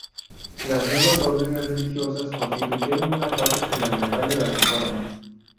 Las nuevas órdenes religiosas constituyeron una parte fundamental de la reforma.